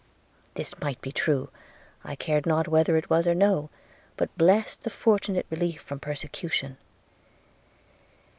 This might be true – I cared not whether it was or no, but blessed the fortunate relief from persecution.